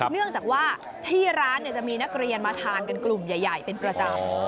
เนื่องจากว่าที่ร้านจะมีนักเรียนมาทานกันกลุ่มใหญ่เป็นประจำ